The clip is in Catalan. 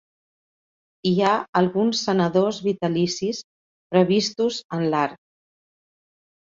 Hi ha alguns senadors vitalicis, previstos en l'art.